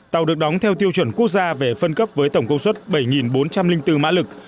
tàu được đóng theo tiêu chuẩn quốc gia về phân cấp với tổng công suất bảy bốn trăm linh bốn mã lực